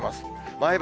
前橋